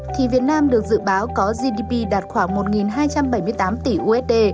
thì việt nam được dự báo có gdp đạt khoảng một hai trăm bảy mươi tám tỷ usd